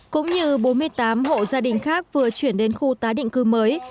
cũng như bốn mươi tám hộ gia đình khác vừa chuyển đến khu tái định cư mới